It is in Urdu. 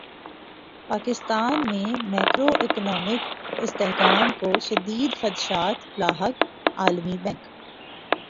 پاکستان میں میکرو اکنامک استحکام کو شدید خدشات لاحق عالمی بینک